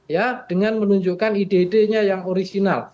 ya dengan menunjukkan ide idenya yang original